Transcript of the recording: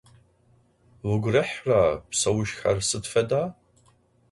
Vugu rihre pseuşsher sıd feda?